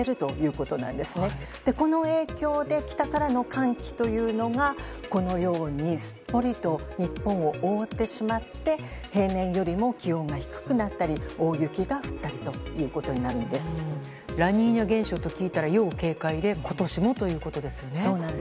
この影響で北からの寒気というのは、すっぽりと日本を覆ってしまって平年よりも気温が低くなったり大雪が降ったりラニーニャ現象と聞いたら要警戒で今年もということですね。